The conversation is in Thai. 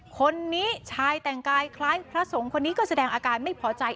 คนนี้ชายแต่งกายคล้ายพระสงฆ์คนนี้ก็แสดงอาการไม่พอใจ